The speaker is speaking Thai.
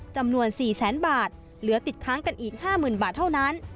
จำนวน๔แสนบาทเหลือติดค้างกันอีก๕๐๐๐บาทเท่านั้น